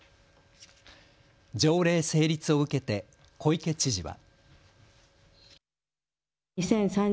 条例成立を受けて小池知事は。